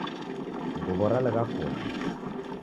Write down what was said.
Nguw'o ralegha kuoma